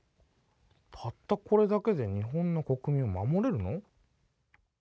たったこれだけで日本の国民を守れるの？